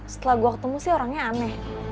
setelah gue ketemu sih orangnya aneh